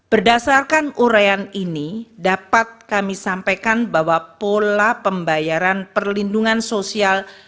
berdasarkan urayan ini dapat kami sampaikan bahwa pola pembayaran perlindungan sosial